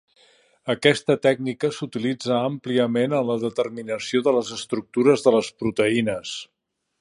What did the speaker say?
Aquesta tècnica s'utilitza àmpliament en la determinació de les estructures de les proteïnes.